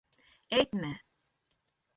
Әйтмә!